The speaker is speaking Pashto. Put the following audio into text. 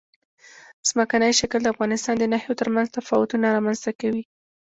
ځمکنی شکل د افغانستان د ناحیو ترمنځ تفاوتونه رامنځ ته کوي.